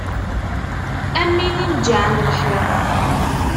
Am win ineǧǧɛen lḥiḍ.